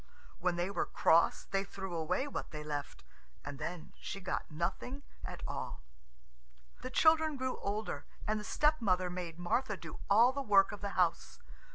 When they were cross they threw away what they left, and then she got nothing at all. The children grew older, and the stepmother made Martha do all the work of the house.